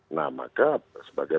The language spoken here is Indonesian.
nah maka sebagai